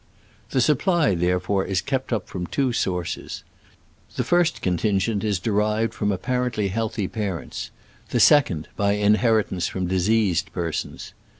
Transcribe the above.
The supply, therefore, is kept up from two sources. The first contingent is de rived from apparently healthy parents ; the second, by inheritance from diseasea persons.